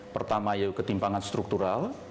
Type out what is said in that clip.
pertama yaitu ketimpangan struktural